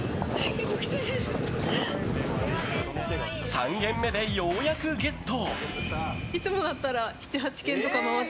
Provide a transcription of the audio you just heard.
３軒目で、ようやくゲット！